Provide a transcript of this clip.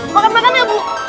makan malam ya ibu